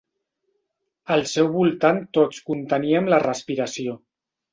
Al seu voltant tots conteníem la respiració.